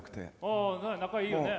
あ仲いいよね。